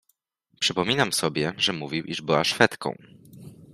"Przypominam sobie, że mówił, iż była szwedką."